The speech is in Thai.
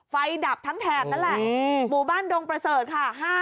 ดับทั้งแถบนั่นแหละหมู่บ้านดงประเสริฐค่ะ